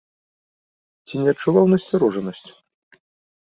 Ці не адчуваў насцярожанасць?